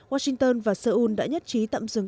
washington và seoul đã nhất trí tạm dừng